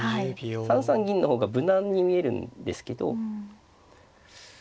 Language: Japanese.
３三銀の方が無難に見えるんですけど。